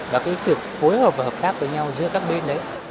và cái việc phối hợp và hợp tác với nhau giữa các bên đấy